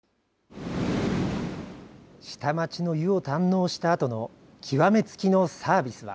下町の湯を堪能したあとの極め付きのサービスは。